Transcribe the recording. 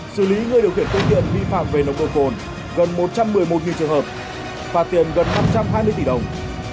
xử lý người điều khiển công nghiệp vi phạm về nông cơ phồn gần một trăm một mươi một trường hợp phạt tiền gần năm trăm hai mươi tỷ đồng